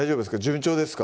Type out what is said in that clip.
順調ですか？